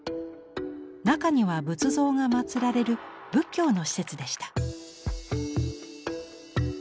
中には仏像が祀られる仏教の施設でした。